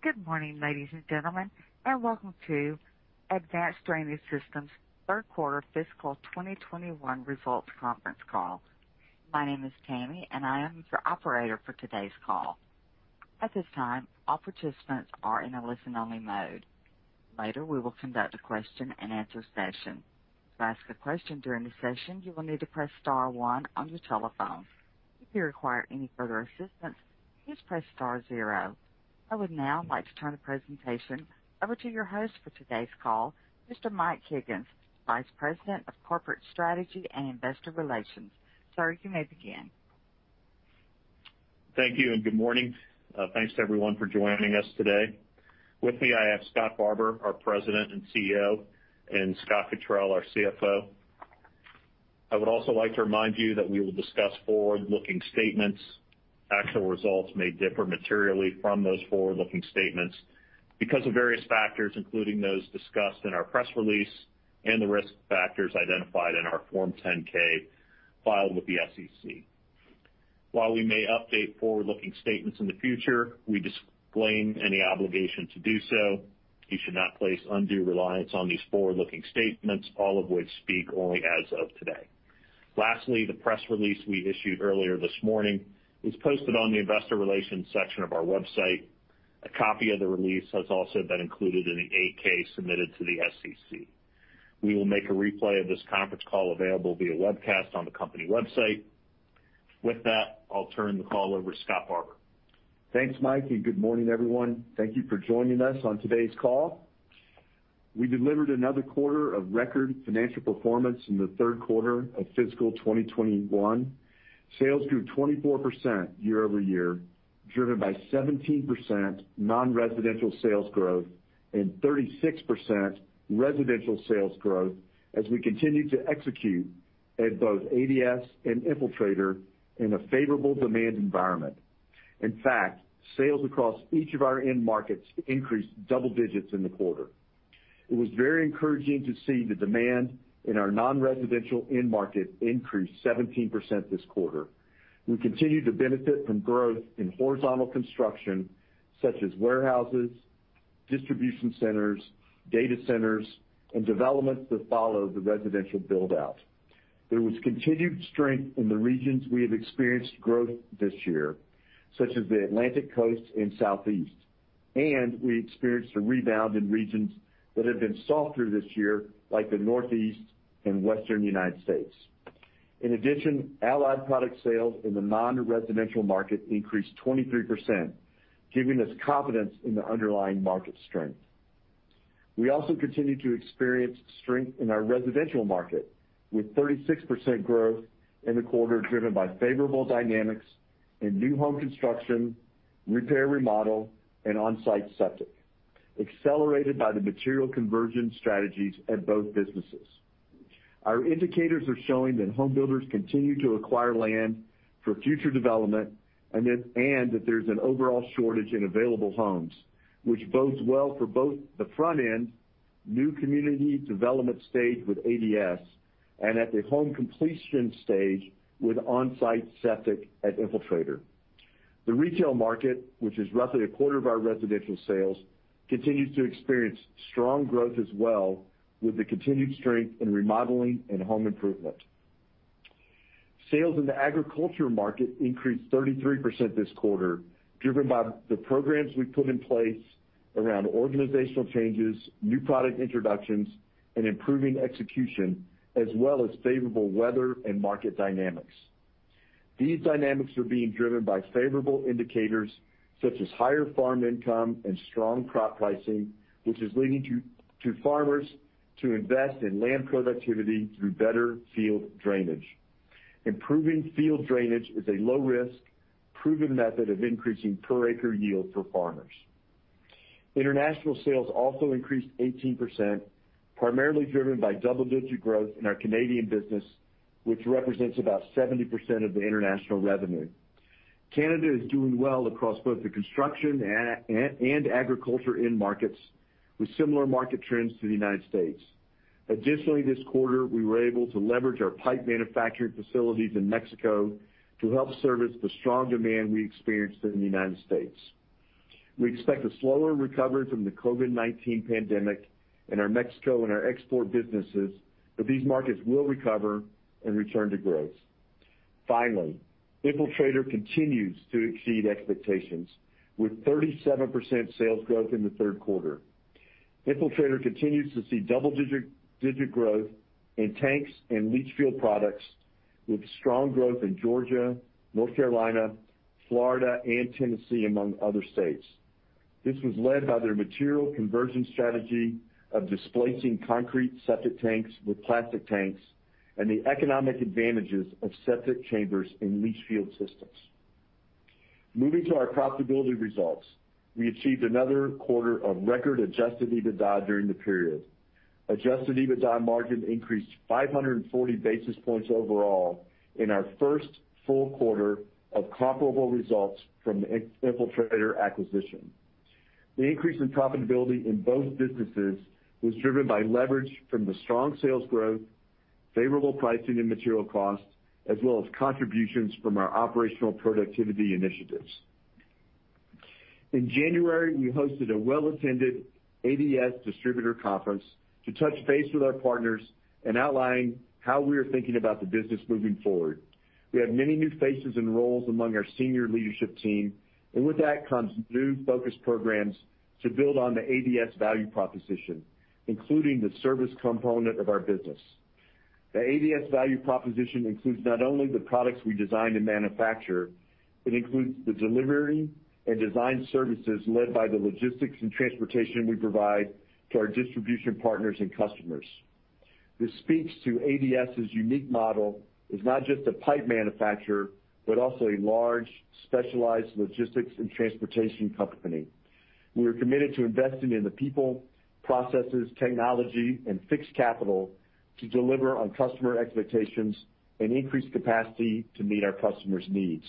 Good morning, ladies and gentlemen, and welcome to Advanced Drainage Systems' Q3 Fiscal 2021 Results Conference Call. My name is Tammy, and I am your operator for today's call. At this time, all participants are in a listen-only mode. Later, we will conduct a question-and-answer session. To ask a question during the session, you will need to press star one on your telephone. If you require any further assistance, please press star zero. I would now like to turn the presentation over to your host for today's call, Mr. Mike Higgins, Vice President of Corporate Strategy and Investor Relations. Sir, you may begin. Thank you and good morning. Thanks to everyone for joining us today. With me, I have Scott Barbour, our President and CEO, and Scott Cottrill, our CFO. I would also like to remind you that we will discuss forward-looking statements. Actual results may differ materially from those forward-looking statements because of various factors, including those discussed in our press release and the risk factors identified in our Form 10-K filed with the SEC. While we may update forward-looking statements in the future, we disclaim any obligation to do so. You should not place undue reliance on these forward-looking statements, all of which speak only as of today. Lastly, the press release we issued earlier this morning is posted on the investor relations section of our website. A copy of the release has also been included in the 8-K submitted to the SEC. We will make a replay of this conference call available via webcast on the company website. With that, I'll turn the call over to Scott Barbour. Thanks, Mike, and good morning, everyone. Thank you for joining us on today's call. We delivered another quarter of record financial performance in the Q3 of fiscal 2021. Sales grew 24% year over year, driven by 17% non-residential sales growth and 36% residential sales growth as we continue to execute at both ADS and Infiltrator in a favorable demand environment. In fact, sales across each of our end markets increased double digits in the quarter. It was very encouraging to see the demand in our non-residential end market increase 17% this quarter. We continued to benefit from growth in horizontal construction, such as warehouses, distribution centers, data centers, and developments that follow the residential build-out. There was continued strength in the regions we have experienced growth this year, such as the Atlantic Coast and Southeast, and we experienced a rebound in regions that have been softer this year, like the Northeast and Western U.S.. In addition, allied product sales in the non-residential market increased 23%, giving us confidence in the underlying market strength. We also continued to experience strength in our residential market, with 36% growth in the quarter, driven by favorable dynamics in new home construction, repair, remodel, and on-site septic, accelerated by the material conversion strategies at both businesses. Our indicators are showing that homebuilders continue to acquire land for future development, and that there's an overall shortage in available homes, which bodes well for both the front end, new community development stage with ADS, and at the home completion stage with on-site septic at Infiltrator. The retail market, which is roughly a quarter of our residential sales, continues to experience strong growth as well with the continued strength in remodeling and home improvement. Sales in the agriculture market increased 33% this quarter, driven by the programs we put in place around organizational changes, new product introductions, and improving execution, as well as favorable weather and market dynamics. These dynamics are being driven by favorable indicators such as higher farm income and strong crop pricing, which is leading farmers to invest in land productivity through better field drainage. Improving field drainage is a low risk, proven method of increasing per acre yield for farmers. International sales also increased 18%, primarily driven by double-digit growth in our Canadian business, which represents about 70% of the international revenue. Canada is doing well across both the construction and agriculture end markets, with similar market trends to the U.S.. Additionally, this quarter, we were able to leverage our pipe manufacturing facilities in Mexico to help service the strong demand we experienced in the U.S.. We expect a slower recovery from the COVID-19 pandemic in our Mexico and our export businesses, but these markets will recover and return to growth. Finally, Infiltrator continues to exceed expectations, with 37% sales growth in the Q3. Infiltrator continues to see double digit growth in tanks and leach field products, with strong growth in Georgia, North Carolina, Florida, and Tennessee, among other states. This was led by their material conversion strategy of displacing concrete septic tanks with plastic tanks and the economic advantages of septic chambers in leach field systems. Moving to our profitability results. We achieved another quarter of record adjusted EBITDA during the period. Adjusted EBITDA margin increased 540 basis points overall in our first full quarter of comparable results from the Infiltrator acquisition. The increase in profitability in both businesses was driven by leverage from the strong sales growth, favorable pricing and material costs, as well as contributions from our operational productivity initiatives. In January, we hosted a well-attended ADS distributor conference to touch base with our partners and outline how we are thinking about the business moving forward. We have many new faces and roles among our senior leadership team, and with that comes new focus programs to build on the ADS value proposition, including the service component of our business. The ADS value proposition includes not only the products we design and manufacture. It includes the delivery and design services led by the logistics and transportation we provide to our distribution partners and customers. This speaks to ADS's unique model as not just a pipe manufacturer, but also a large, specialized logistics and transportation company. We are committed to investing in the people, processes, technology, and fixed capital to deliver on customer expectations and increase capacity to meet our customers' needs.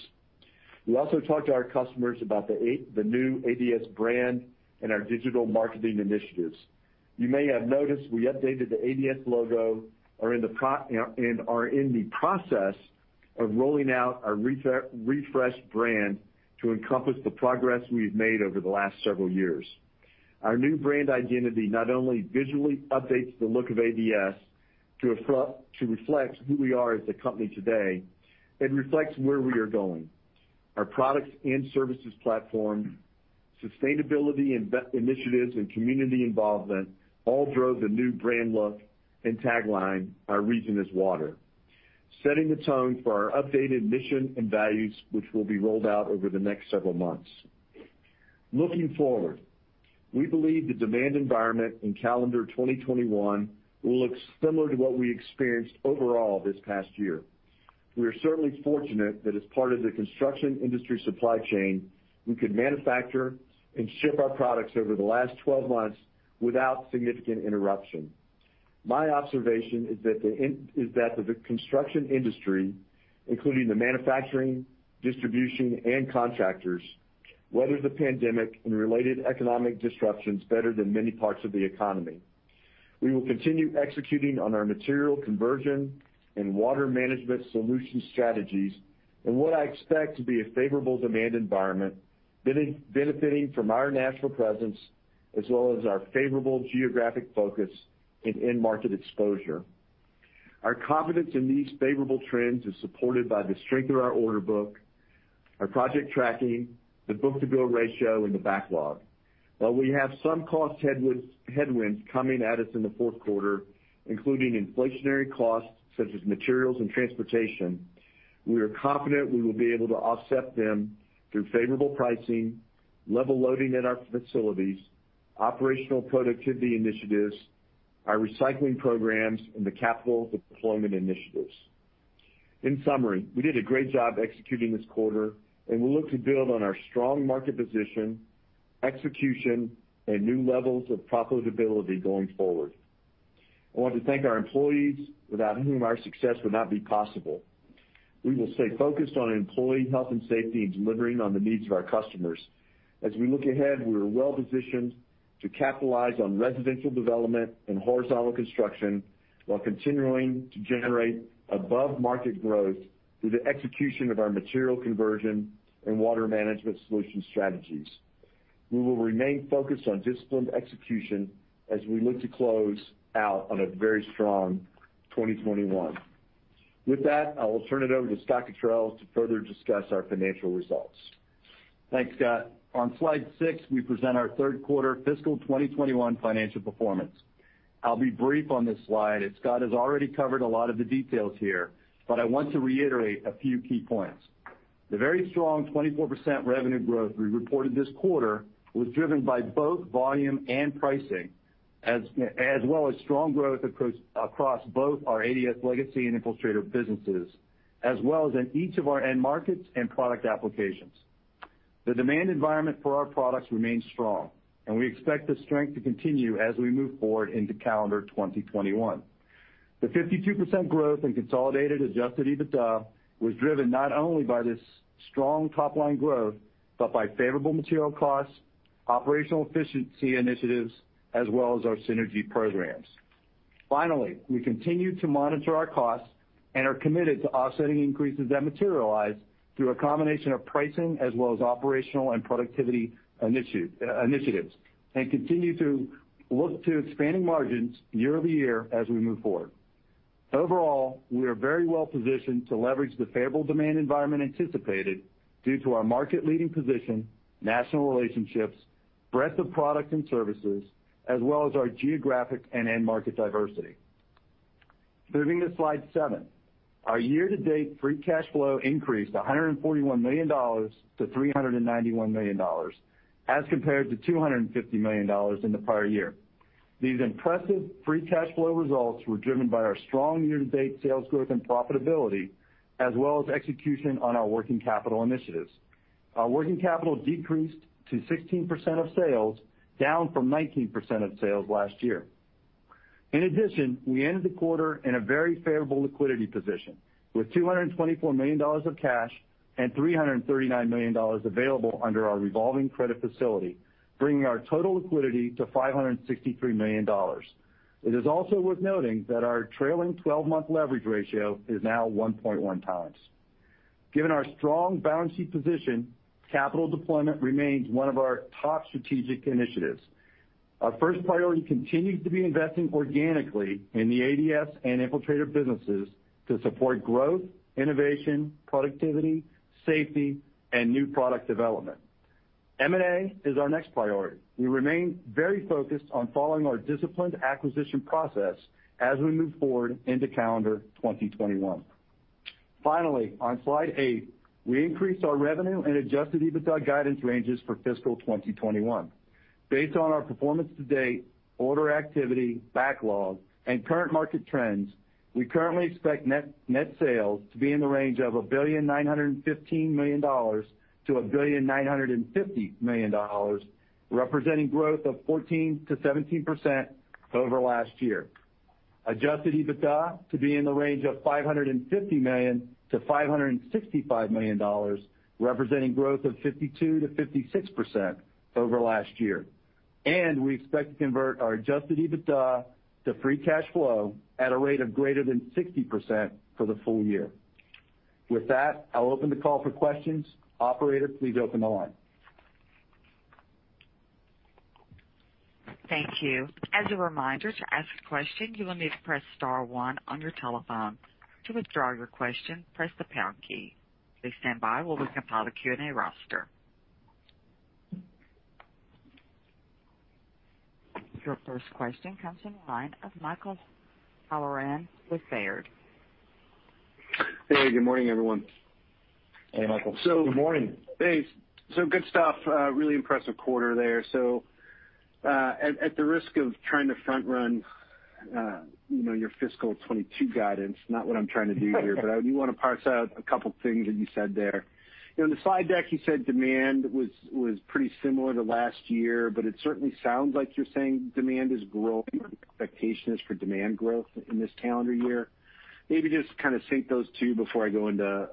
We also talked to our customers about the new ADS brand and our digital marketing initiatives. You may have noticed we updated the ADS logo, are in the process of rolling out our refreshed brand to encompass the progress we've made over the last several years. Our new brand identity not only visually updates the look of ADS to reflect who we are as a company today, it reflects where we are going. Our products and services platform, sustainability and initiatives, and community involvement all drove the new brand look and tagline, "Our reason is water," setting the tone for our updated mission and values, which will be rolled out over the next several months. Looking forward, we believe the demand environment in calendar 2021 will look similar to what we experienced overall this past year. We are certainly fortunate that as part of the construction industry supply chain, we could manufacture and ship our products over the last 12 months without significant interruption. My observation is that the construction industry, including the manufacturing, distribution, and contractors, weathered the pandemic and related economic disruptions better than many parts of the economy. We will continue executing on our material conversion and water management solution strategies in what I expect to be a favorable demand environment, benefiting from our national presence, as well as our favorable geographic focus and end market exposure. Our confidence in these favorable trends is supported by the strength of our order book, our project tracking, the book-to-bill ratio, and the backlog. While we have some cost headwinds coming at us in the Q4, including inflationary costs such as materials and transportation, we are confident we will be able to offset them through favorable pricing, level loading in our facilities, operational productivity initiatives, our recycling programs, and the capital deployment initiatives. In summary, we did a great job executing this quarter, and we look to build on our strong market position, execution, and new levels of profitability going forward. I want to thank our employees, without whom our success would not be possible. We will stay focused on employee health and safety and delivering on the needs of our customers. As we look ahead, we are well positioned to capitalize on residential development and horizontal construction, while continuing to generate above-market growth through the execution of our material conversion and water management solution strategies. We will remain focused on disciplined execution as we look to close out on a very strong 2021. With that, I will turn it over to Scott Cottrill to further discuss our financial results. Thanks, Scott. On slide six, we present our Q3 fiscal 2021 financial performance. I'll be brief on this slide, as Scott has already covered a lot of the details here, but I want to reiterate a few key points. The very strong 24% revenue growth we reported this quarter was driven by both volume and pricing, as well as strong growth across both our ADS legacy and Infiltrator businesses, as well as in each of our end markets and product applications. The demand environment for our products remains strong, and we expect this strength to continue as we move forward into calendar 2021. The 52% growth in consolidated adjusted EBITDA was driven not only by this strong top-line growth, but by favorable material costs, operational efficiency initiatives, as well as our synergy programs. Finally, we continue to monitor our costs and are committed to offsetting increases that materialize through a combination of pricing as well as operational and productivity initiatives, and continue to look to expanding margins year over year as we move forward. Overall, we are very well positioned to leverage the favorable demand environment anticipated due to our market-leading position, national relationships, breadth of products and services, as well as our geographic and end market diversity. Moving to slide seven. Our year-to-date free cash flow increased $141 million to $391 million, as compared to $250 million in the prior year. These impressive free cash flow results were driven by our strong year-to-date sales growth and profitability, as well as execution on our working capital initiatives. Our working capital decreased to 16% of sales, down from 19% of sales last year. In addition, we ended the quarter in a very favorable liquidity position, with $224 million of cash and $339 million available under our revolving credit facility, bringing our total liquidity to $563 million. It is also worth noting that our trailing twelve-month leverage ratio is now 1.1 times. Given our strong balance sheet position, capital deployment remains one of our top strategic initiatives. Our first priority continues to be investing organically in the ADS and Infiltrator businesses to support growth, innovation, productivity, safety, and new product development. M&A is our next priority. We remain very focused on following our disciplined acquisition process as we move forward into calendar 2021. Finally, on slide eight, we increased our revenue and adjusted EBITDA guidance ranges for fiscal 2021. Based on our performance to date, order activity, backlog, and current market trends, we currently expect net, net sales to be in the range of $1.915 billion-$1.95 billion, representing growth of 14%-17% over last year. Adjusted EBITDA to be in the range of $550 million-$565 million, representing growth of 52%-56% over last year. And we expect to convert our adjusted EBITDA to free cash flow at a rate of greater than 60% for the full year. With that, I'll open the call for questions. Operator, please open the line. Thank you. As a reminder, to ask a question, you will need to press star one on your telephone. To withdraw your question, press the pound key. Please stand by while we compile the Q&A roster. Your first question comes from the line of Michael Halloran with Baird. Hey, good morning, everyone. Hey, Michael. Good morning. Thanks. So good stuff. Really impressive quarter there. So, at the risk of trying to front run, you know, your fiscal 2022 guidance, not what I'm trying to do here, but I do wanna parse out a couple of things that you said there. You know, in the slide deck, you said demand was pretty similar to last year, but it certainly sounds like you're saying demand is growing, or expectation is for demand growth in this calendar year. Maybe just kind of sync those two before I go into,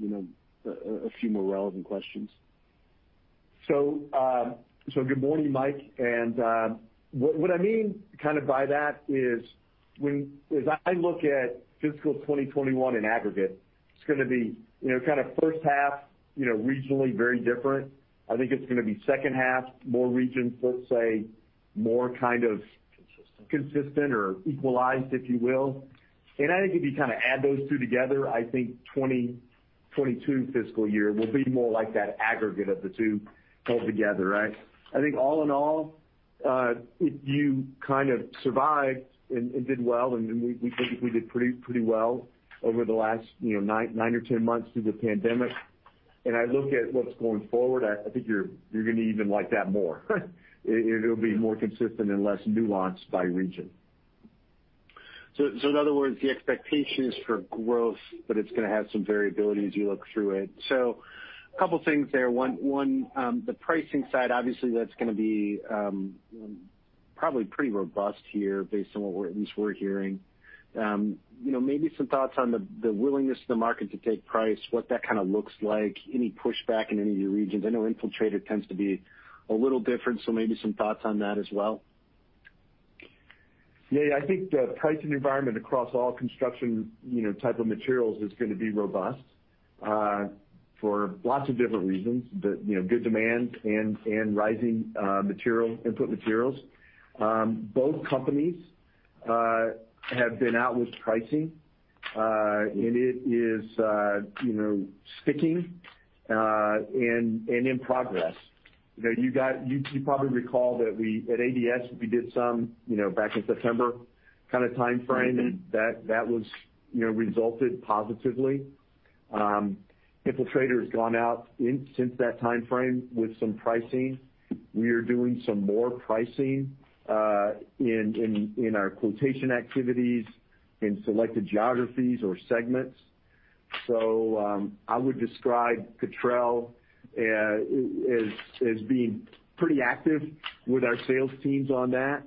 you know, a few more relevant questions. Good morning, Mike. What I mean kind of by that is, when as I look at fiscal 2021 in aggregate, it's gonna be, you know, kind of first half, you know, regionally very different. I think it's gonna be second half, more regions, let's say, more kind of consistent or equalized, if you will. I think if you kind of add those two together, I think 2022 fiscal year will be more like that aggregate of the two held together, right? I think all in all, if you kind of survived and did well, and we think we did pretty well over the last, you know, nine or ten months through the pandemic. I look at what's going forward, I think you're gonna even like that more. It'll be more consistent and less nuanced by region. So, in other words, the expectation is for growth, but it's gonna have some variability as you look through it. So a couple things there. One, the pricing side, obviously, that's gonna be probably pretty robust here based on what we're hearing at least. You know, maybe some thoughts on the willingness of the market to take price, what that kind of looks like, any pushback in any of your regions? I know Infiltrator tends to be a little different, so maybe some thoughts on that as well. Yeah, I think the pricing environment across all construction, you know, type of materials is gonna be robust, for lots of different reasons. But, you know, good demand and rising material input materials. Both companies have been out with pricing, and it is, you know, sticking, and in progress. You know, you got you probably recall that we, at ADS, we did some, you know, back in September kind of timeframe, and that was, you know, resulted positively. Infiltrator has gone out since that timeframe with some pricing. We are doing some more pricing in our quotation activities in selected geographies or segments. So I would describe Cottrill as being pretty active with our sales teams on that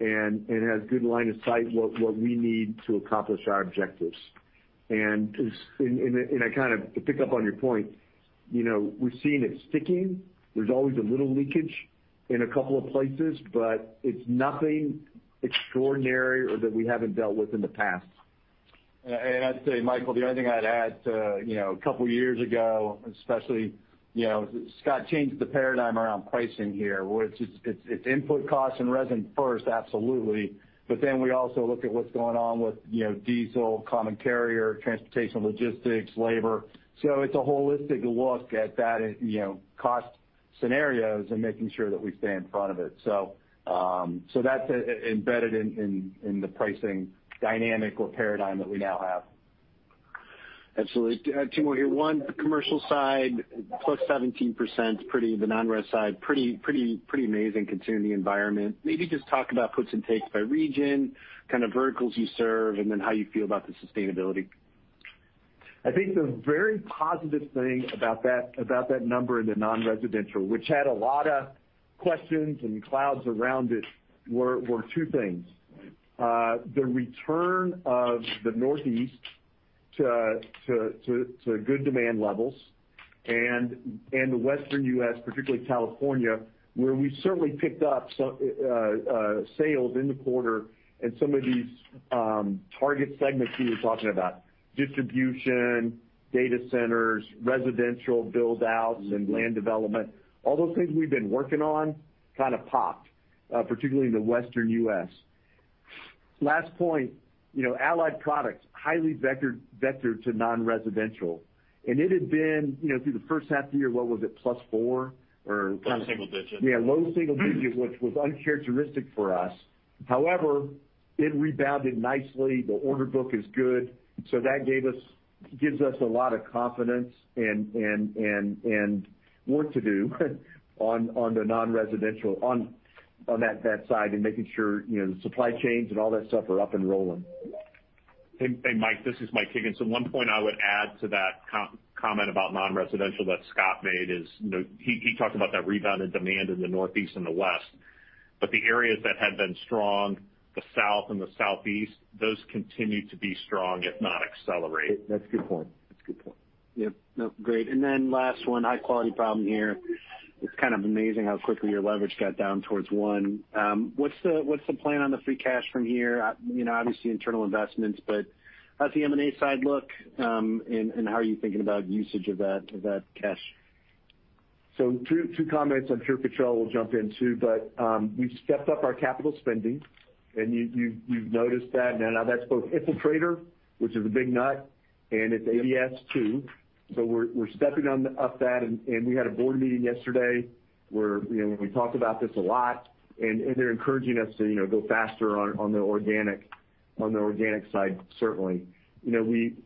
and has good line of sight what we need to accomplish our objectives. And I kind of to pick up on your point, you know, we've seen it sticking. There's always a little leakage in a couple of places, but it's nothing extraordinary or that we haven't dealt with in the past. And I'd say, Michael, the only thing I'd add to, you know, a couple of years ago, especially, you know, Scott changed the paradigm around pricing here, which it's input costs and resin first, absolutely. But then we also look at what's going on with, you know, diesel, common carrier, transportation, logistics, labor. So it's a holistic look at that and, you know, cost scenarios and making sure that we stay in front of it. So, that's embedded in the pricing dynamic or paradigm that we now have. Absolutely. Two more here. One, the commercial side, plus 17%, pretty, the non-res side, pretty, pretty, pretty amazing considering the environment. Maybe just talk about puts and takes by region, kind of verticals you serve, and then how you feel about the sustainability. I think the very positive thing about that, about that number in the non-residential, which had a lot of questions and clouds around it, were two things. The return of the Northeast to good demand levels and the Western U.S., particularly California, where we certainly picked up some sales in the quarter and some of these target segments he was talking about, distribution, data centers, residential build-outs, and land development. All those things we've been working on kind of popped, particularly in the Western U.S.. Last point, you know, Allied Products, highly vectored to non-residential, and it had been, you know, through the first half of the year, what was it? Plus four or low single digits. Yeah, low single digits, which was uncharacteristic for us. However, it rebounded nicely. The order book is good, so that gave us gives us a lot of confidence and work to do on the non-residential, on that side, and making sure, you know, the supply chains and all that stuff are up and rolling. Hey, Mike, this is Mike Higgins. The one point I would add to that comment about non-residential that Scott made is, you know, he talked about that rebound in demand in the Northeast and the West, but the areas that had been strong, the South and the Southeast, those continue to be strong, if not accelerate. That's a good point. That's a good point. Yep. Nope, great. And then last one, high-quality problem here. It's kind of amazing how quickly your leverage got down towards one. What's the plan on the free cash from here? You know, obviously, internal investments, but how's the M&A side look, and how are you thinking about usage of that cash? So two comments. I'm sure Cottrill will jump in, too. But we've stepped up our capital spending, and you've noticed that. Now that's both Infiltrator, which is a big nut, and it's ADS, too. So we're stepping up that, and we had a board meeting yesterday where, you know, we talked about this a lot, and they're encouraging us to, you know, go faster on the organic side, certainly. You know, we've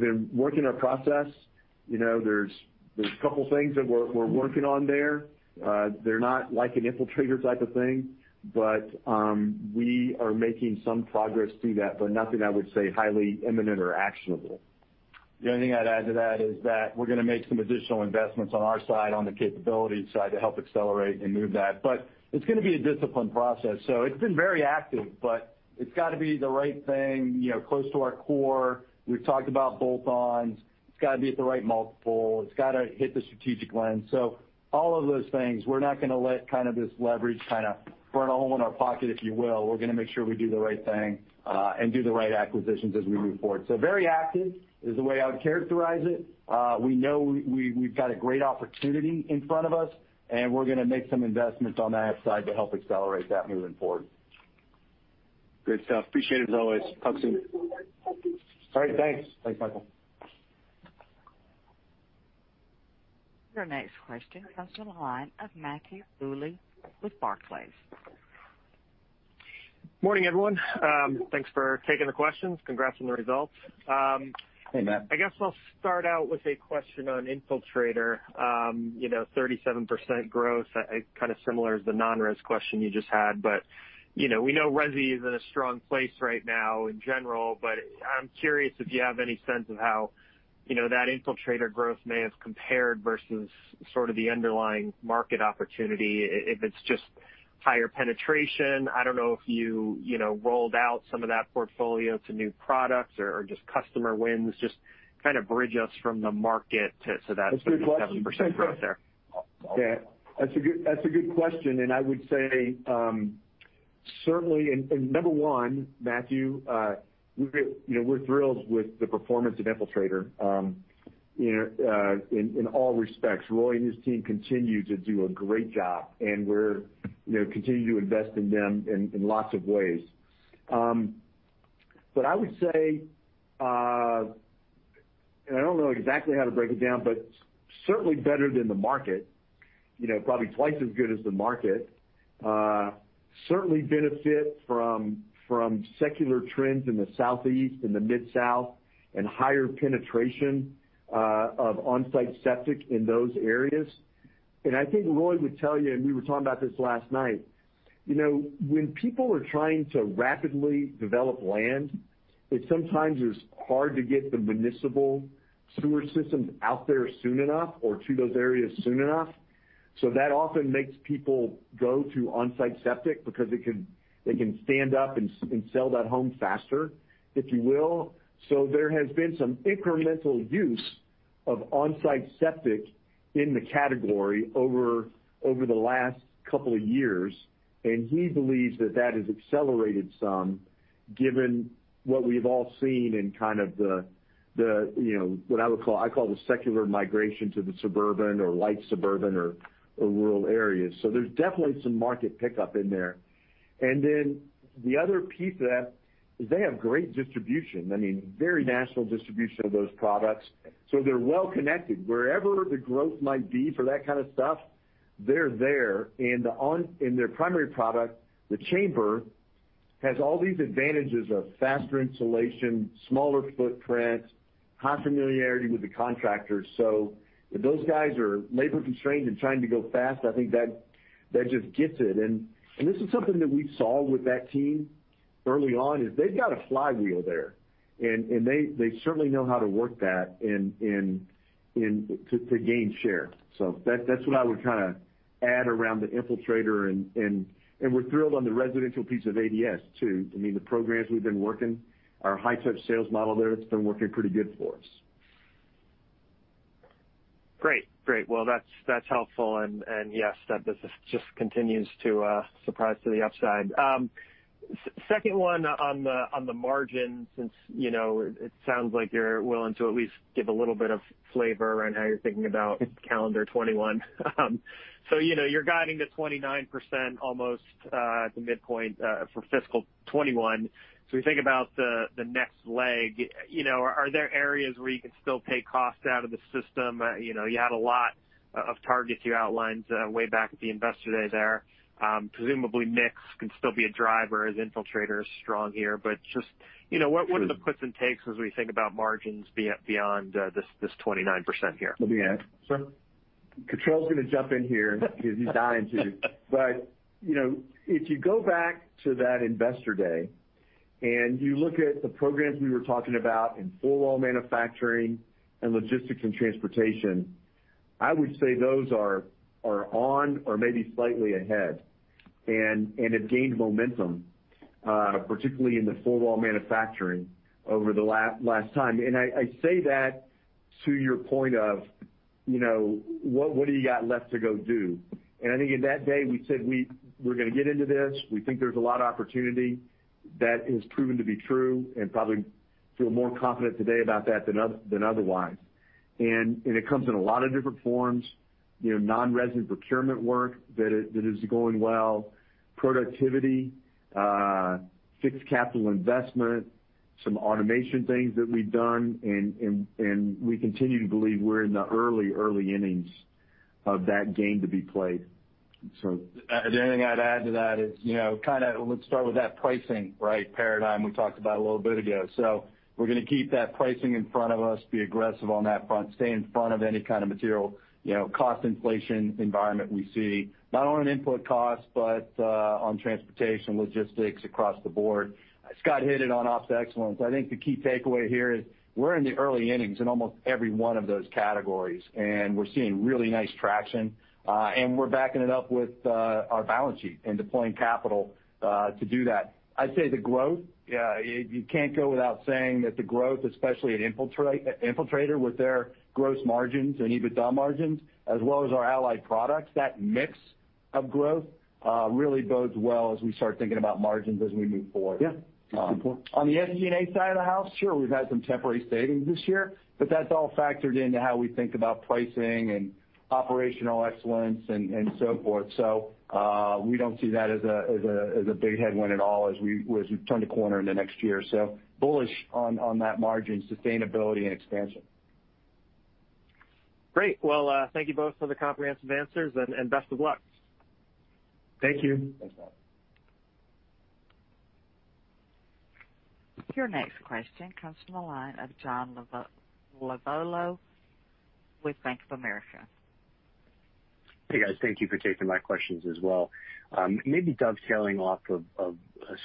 been working our process. You know, there's a couple of things that we're working on there. They're not like an Infiltrator type of thing, but we are making some progress through that, but nothing I would say highly imminent or actionable. The only thing I'd add to that is that we're gonna make some additional investments on our side, on the capability side, to help accelerate and move that. But it's gonna be a disciplined process, so it's been very active, but it's got to be the right thing, you know, close to our core. We've talked about bolt-ons. It's got to be at the right multiple. It's got to hit the strategic lens. So all of those things, we're not gonna let kind of this leverage kind of burn a hole in our pocket, if you will. We're gonna make sure we do the right thing, and do the right acquisitions as we move forward. So very active is the way I would characterize it. We know we've got a great opportunity in front of us, and we're gonna make some investments on that side to help accelerate that moving forward. Good stuff. Appreciate it, as always. Talk soon. All right, thanks. Thanks, Michael. Your next question comes from the line of Matthew Bouley with Barclays. Morning, everyone. Thanks for taking the questions. Congrats on the results. Hey, Matt. I guess I'll start out with a question on Infiltrator. You know, 37% growth, kind of similar as the non-res question you just had. But, you know, we know Resi is in a strong place right now in general, but I'm curious if you have any sense of how, you know, that Infiltrator growth may have compared versus sort of the underlying market opportunity, if, if it's just higher penetration. I don't know if you, you know, rolled out some of that portfolio to new products or, or just customer wins, just kind of bridge us from the market to, so that 37% growth there. That's a good question. Yeah, that's a good question, and I would say, certainly, and number one, Matthew, you know, we're thrilled with the performance of Infiltrator, you know, in all respects. Roy and his team continue to do a great job, and we're, you know, continue to invest in them in lots of ways. But I would say, and I don't know exactly how to break it down, but certainly better than the market, you know, probably twice as good as the market. Certainly benefit from secular trends in the Southeast and the Mid-South, and higher penetration of on-site septic in those areas. And I think Roy would tell you, and we were talking about this last night, you know, when people are trying to rapidly develop land, it sometimes is hard to get the municipal sewer systems out there soon enough or to those areas soon enough. So that often makes people go to on-site septic because it can, they can stand up and sell that home faster, if you will. So there has been some incremental use of on-site septic in the category over the last couple of years, and he believes that that has accelerated some, given what we've all seen in kind of the, you know, what I would call, I call the secular migration to the suburban or light suburban or rural areas. So there's definitely some market pickup in there. And then the other piece of that is they have great distribution. I mean, very national distribution of those products, so they're well connected. Wherever the growth might be for that kind of stuff, they're there, and their primary product, the chamber, has all these advantages of faster installation, smaller footprint, high familiarity with the contractors. So if those guys are labor-constrained and trying to go fast, I think that just gets it. And this is something that we saw with that team early on: they've got a flywheel there, and they certainly know how to work that and to gain share. So that's what I would kind of add around the Infiltrator, and we're thrilled on the residential piece of ADS, too. I mean, the programs we've been working, our high-touch sales model there, it's been working pretty good for us.... Great, great. Well, that's, that's helpful. And, and yes, that business just continues to surprise to the upside. Second one on the, on the margin, since, you know, it sounds like you're willing to at least give a little bit of flavor around how you're thinking about calendar 2021. So you know, you're guiding to 29% almost, at the midpoint, for fiscal 2021. So we think about the, the next leg, you know, are there areas where you can still take costs out of the system? You know, you had a lot of targets you outlined, way back at the Investor Day there. Presumably, mix can still be a driver as Infiltrator is strong here. But just, you know, what are the puts and takes as we think about margins beyond, this, this 29% here? Let me add. Sure. Cottrill is going to jump in here because he's dying to, but you know, if you go back to that Investor Day and you look at the programs we were talking about in four wall manufacturing and logistics and transportation, I would say those are on or maybe slightly ahead and have gained momentum, particularly in the four wall manufacturing over the last time. I say that to your point of, you know, what do you got left to go do? I think in that day, we said, we're going to get into this. We think there's a lot of opportunity that has proven to be true and probably feel more confident today about that than otherwise. It comes in a lot of different forms, you know, non-residential procurement work that is going well, productivity, fixed capital investment, some automation things that we've done, and we continue to believe we're in the early innings of that game to be played. The only thing I'd add to that is, you know, kind of let's start with that pricing, right, paradigm we talked about a little bit ago. So we're going to keep that pricing in front of us, be aggressive on that front, stay in front of any kind of material, you know, cost inflation environment we see, not on an input cost, but on transportation, logistics, across the board. Scott hit it on ops excellence. I think the key takeaway here is we're in the early innings in almost every one of those categories, and we're seeing really nice traction, and we're backing it up with our balance sheet and deploying capital to do that. I'd say the growth, you can't go without saying that the growth, especially at Infiltrator, with their gross margins and EBITDA margins, as well as our Allied Products, that mix of growth, really bodes well as we start thinking about margins as we move forward. Yeah. On the SG&A side of the house, sure, we've had some temporary savings this year, but that's all factored into how we think about pricing and operational excellence and so forth. So, we don't see that as a big headwind at all as we turn the corner in the next year. So bullish on that margin, sustainability, and expansion. Great. Thank you both for the comprehensive answers, and best of luck. Thank you. Thanks, Scott. Your next question comes from the line of John Lovallo with Bank of America. Hey, guys, thank you for taking my questions as well. Maybe dovetailing off of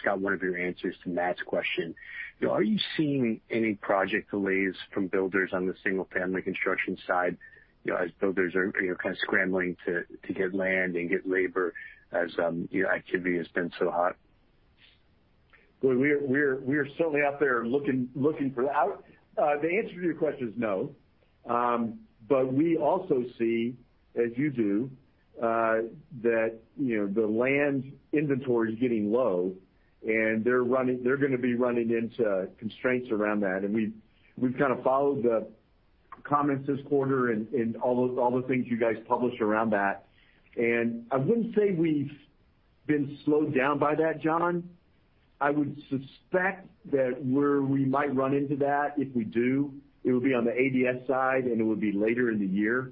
Scott, one of your answers to Matt's question, you know, are you seeing any project delays from builders on the single-family construction side, you know, as builders are, you know, kind of scrambling to get land and get labor as, you know, activity has been so hot? We're certainly out there looking for that. The answer to your question is no. But we also see, as you do, that, you know, the land inventory is getting low, and they're going to be running into constraints around that. And we've kind of followed the comments this quarter and all those things you guys published around that. And I wouldn't say we've been slowed down by that, John. I would suspect that where we might run into that, if we do, it will be on the ADS side, and it would be later in the year.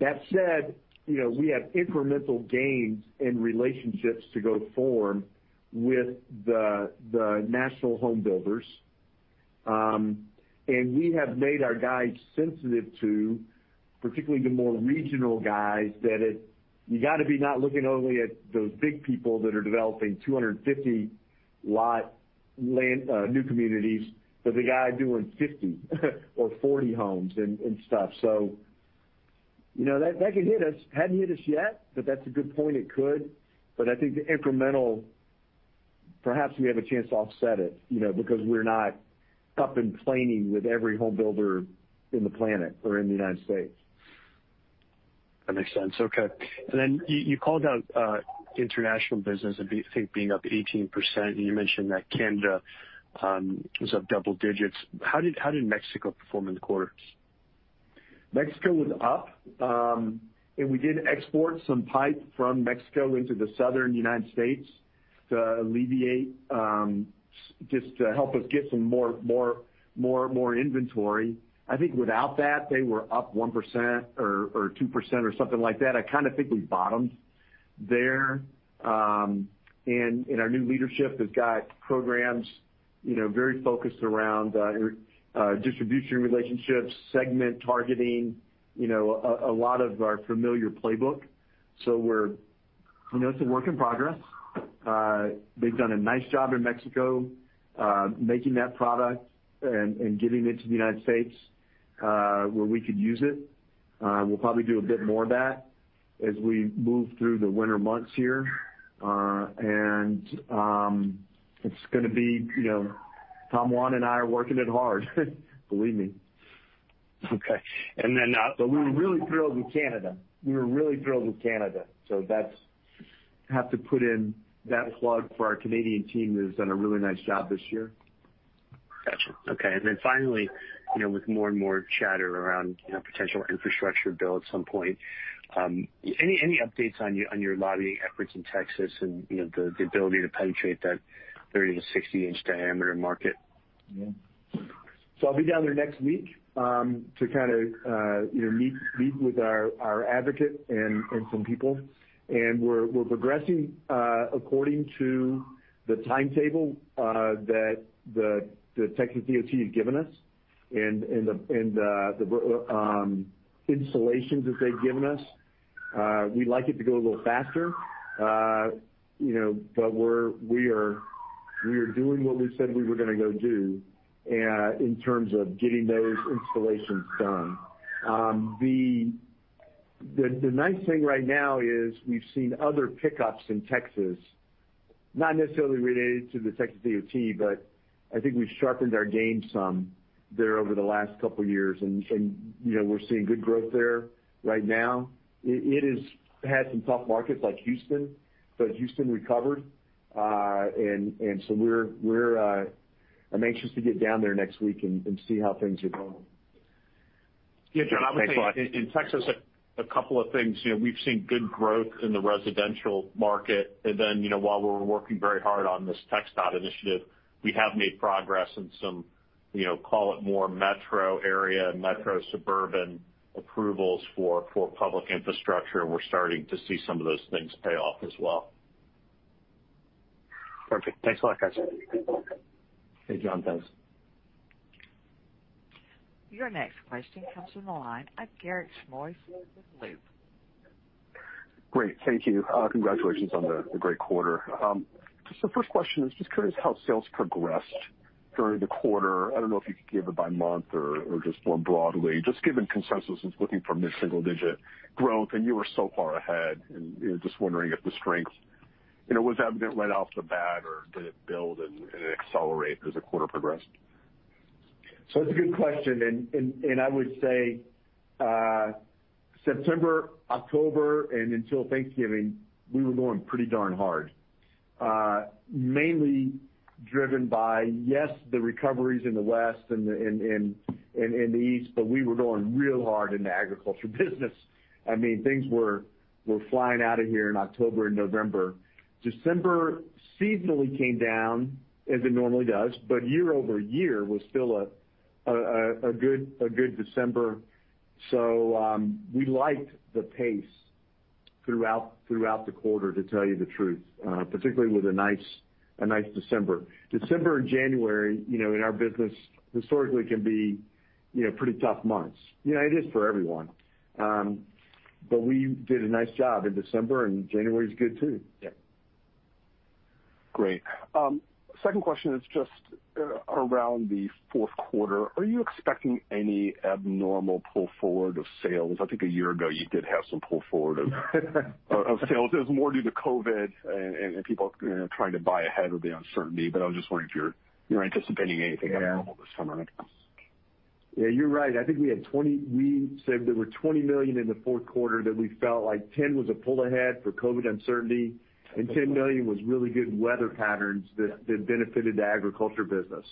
That said, you know, we have incremental gains in relationships to form with the national home builders. And we have made our guys sensitive to, particularly the more regional guys, that you got to be not looking only at those big people that are developing 250-lot land, new communities, but the guy doing 50 or 40 homes and stuff. So, you know, that could hit us. Hadn't hit us yet, but that's a good point. It could. But I think the incremental, perhaps we have a chance to offset it, you know, because we're not up and planning with every home builder in the planet or in the U.S.. That makes sense. Okay. And then you called out international business, I think, being up 18%, and you mentioned that Canada was up double digits. How did Mexico perform in the quarter? Mexico was up, and we did export some pipe from Mexico into the Southern U.S. to alleviate, just to help us get some more inventory. I think without that, they were up 1% or 2% or something like that. I kind of think we've bottomed there, and our new leadership has got programs, you know, very focused around distribution relationships, segment targeting, you know, a lot of our familiar playbook. So we're, you know, it's a work in progress. They've done a nice job in Mexico, making that product and getting it to the U.S., where we could use it. We'll probably do a bit more of that as we move through the winter months here. It's gonna be, you know, Tom Waun and I are working it hard, believe me. Okay, and then, But we were really thrilled with Canada. We were really thrilled with Canada. So, have to put in that plug for our Canadian team, who's done a really nice job this year. Gotcha. Okay, and then finally, you know, with more and more chatter around, you know, potential infrastructure bill at some point, any updates on your lobbying efforts in Texas and, you know, the ability to penetrate that thirty to sixty-inch diameter market? Yeah. So I'll be down there next week to kind of you know meet with our advocate and some people. And we're progressing according to the timetable that the Texas DOT has given us and the installations that they've given us. We'd like it to go a little faster you know, but we're doing what we said we were gonna go do in terms of getting those installations done. The nice thing right now is we've seen other pickups in Texas, not necessarily related to the Texas DOT, but I think we've sharpened our game some there over the last couple of years, and you know, we're seeing good growth there right now. It has had some tough markets like Houston, but Houston recovered. I'm anxious to get down there next week and see how things are going. Yeah, John, I would say- Thanks a lot. In Texas, a couple of things. You know, we've seen good growth in the residential market, and then, you know, while we're working very hard on this TxDOT initiative, we have made progress in some, you know, call it more metro area, metro suburban approvals for public infrastructure, and we're starting to see some of those things pay off as well. Perfect. Thanks a lot, guys. Hey, John, thanks. Your next question comes from the line of Garrett Smoak with Loop. Great, thank you. Congratulations on the great quarter. So first question is, just curious how sales progressed during the quarter. I don't know if you could give it by month or just more broadly, just given consensus is looking for mid-single digit growth, and you were so far ahead, and, you know, just wondering if the strength, you know, was evident right off the bat, or did it build and accelerate as the quarter progressed? So that's a good question, and I would say September, October, and until Thanksgiving, we were going pretty darn hard. Mainly driven by, yes, the recoveries in the West and in the East, but we were going real hard in the agriculture business. I mean, things were flying out of here in October and November. December seasonally came down as it normally does, but year over year was still a good December. So, we liked the pace throughout the quarter, to tell you the truth, particularly with a nice December. December and January, you know, in our business, historically, can be, you know, pretty tough months. You know, it is for everyone. But we did a nice job in December, and January is good, too. Yeah. Great. Second question is just around the Q4: Are you expecting any abnormal pull forward of sales? I think a year ago you did have some pull forward of sales. It was more due to COVID and people, you know, trying to buy ahead of the uncertainty, but I was just wondering if you're anticipating anything abnormal this time around? Yeah, you're right. I think we had $20 million. We said there were $20 million in the Q4 that we felt like $10 million was a pull ahead for COVID uncertainty, and $10 million was really good weather patterns that benefited the agriculture business.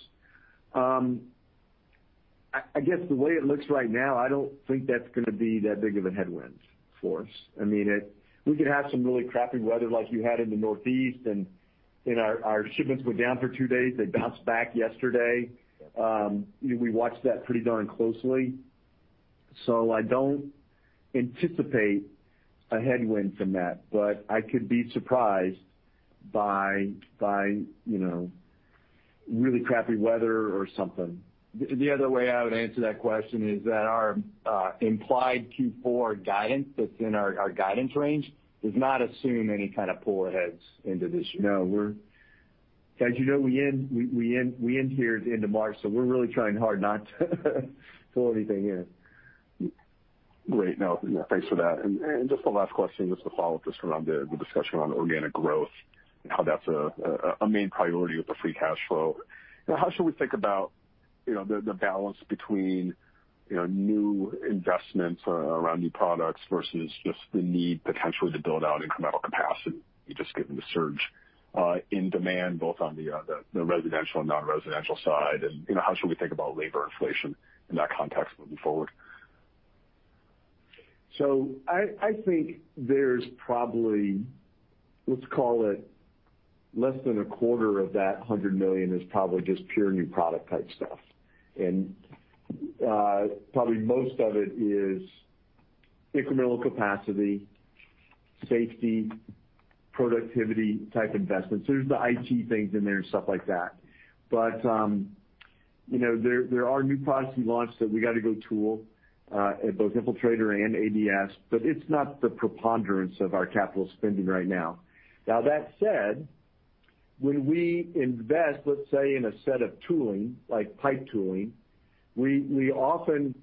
I guess the way it looks right now, I don't think that's gonna be that big of a headwind for us. I mean, it-- we could have some really crappy weather like you had in the Northeast, and our shipments went down for 2 days. They bounced back yesterday. You know, we watched that pretty darn closely, so I don't anticipate a headwind from that, but I could be surprised by you know, really crappy weather or something. The other way I would answer that question is that our implied Q4 guidance that's in our guidance range does not assume any kind of pull aheads into this year. No, we're, as you know, we end here at the end of March, so we're really trying hard not to pull anything in. Great. No, thanks for that. And just the last question, just to follow up just around the discussion on organic growth and how that's a main priority with the free cash flow. You know, how should we think about, you know, the balance between, you know, new investments around new products versus just the need potentially to build out incremental capacity, just given the surge in demand, both on the residential and non-residential side? And, you know, how should we think about labor inflation in that context moving forward? So I think there's probably, let's call it, less than a quarter of that $100 million is probably just pure new product type stuff. And probably most of it is incremental capacity, safety, productivity type investments. There's the IT things in there and stuff like that. But you know, there are new products we launched that we got to go tool at both Infiltrator and ADS, but it's not the preponderance of our capital spending right now. Now, that said. When we invest, let's say, in a set of tooling, like pipe tooling, we often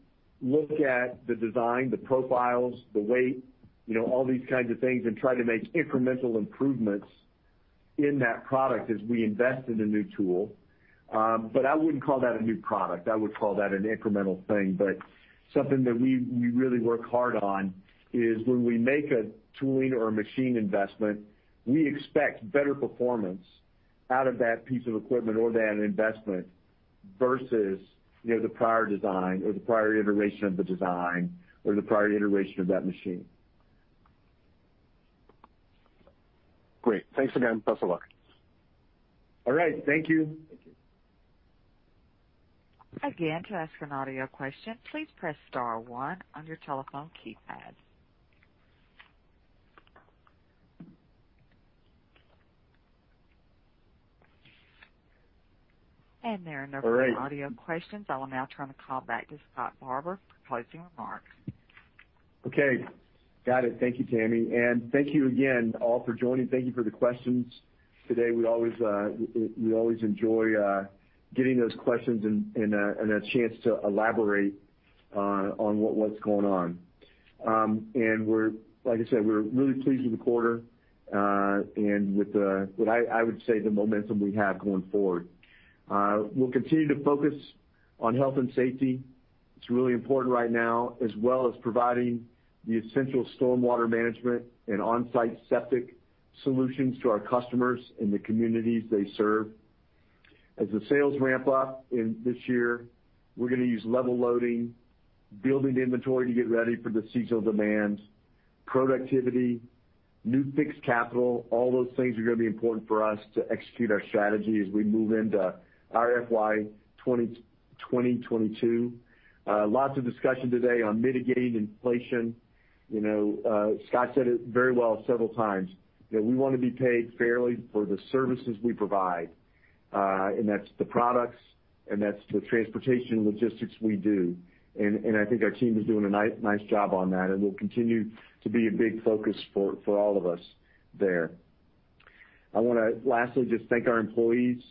look at the design, the profiles, the weight, you know, all these kinds of things, and try to make incremental improvements in that product as we invest in a new tool. But I wouldn't call that a new product. I would call that an incremental thing. But something that we really work hard on is when we make a tooling or a machine investment, we expect better performance out of that piece of equipment or that investment versus, you know, the prior design or the prior iteration of the design or the prior iteration of that machine. Great. Thanks again. Best of luck. All right, thank you. Thank you. Again, to ask an audio question, please press star one on your telephone keypad, and there are no further audio questions. All right. I will now turn the call back to Scott Barber for closing remarks. Okay, got it. Thank you, Tammy, and thank you again, all, for joining. Thank you for the questions today. We always enjoy getting those questions and a chance to elaborate on what's going on. Like I said, we're really pleased with the quarter and with what I would say, the momentum we have going forward. We'll continue to focus on health and safety, it's really important right now, as well as providing the essential stormwater management and on-site septic solutions to our customers in the communities they serve. As the sales ramp up in this year, we're gonna use level loading, building inventory to get ready for the seasonal demand, productivity, new fixed capital, all those things are gonna be important for us to execute our strategy as we move into our FY 2022. Lots of discussion today on mitigating inflation. You know, Scott said it very well several times, that we wanna be paid fairly for the services we provide, and that's the products, and that's the transportation and logistics we do. And I think our team is doing a nice job on that, and will continue to be a big focus for all of us there. I wanna lastly just thank our employees.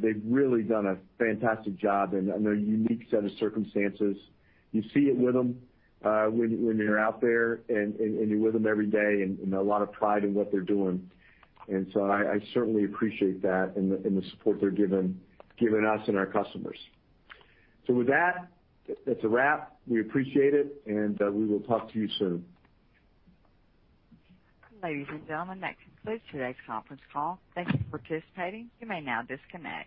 They've really done a fantastic job under a unique set of circumstances. You see it with them when you're out there and you're with them every day, and a lot of pride in what they're doing, and so I certainly appreciate that and the support they're giving us and our customers, so with that, it's a wrap. We appreciate it, and we will talk to you soon. Ladies and gentlemen, that concludes today's conference call. Thank you for participating. You may now disconnect.